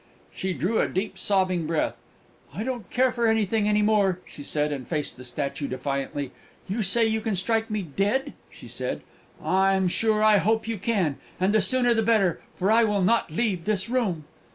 She drew a deep sobbing breath. "I don't care for anything any more!" she said, and faced the statue defiantly. "You say you can strike me dead," she said: "I'm sure I hope you can! And the sooner the better for I will not leave this room!"